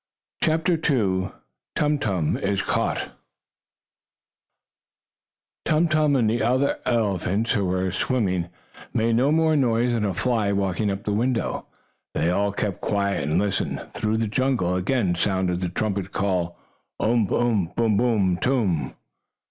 CHAPTER II TUM TUM IS CAUGHT Tum Tum, and the other elephants who were in swimming, made no more noise than a fly walking up the window. They all kept quiet and listened. Through the jungle again sounded the trumpet call: "Umph! Umph! Boom! Boom! Toom!"